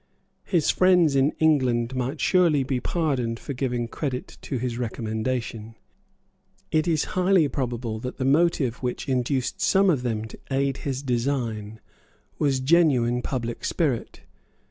His friends in England might surely be pardoned for giving credit to his recommendation. It is highly probable that the motive which induced some of them to aid his design was genuine public spirit.